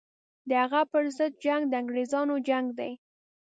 د هغه پر ضد جنګ د انګرېزانو جنګ دی.